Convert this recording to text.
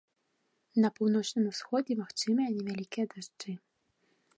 На паўночным усходзе магчымыя невялікія дажджы.